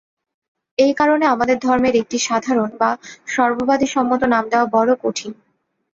এই কারণে আমাদের ধর্মের একটি সাধারণ বা সর্ববাদিসম্মত নাম দেওয়া বড় কঠিন।